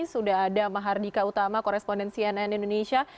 sudah ada mahardika utama korespondensi nn indonesia